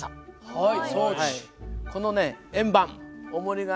はい。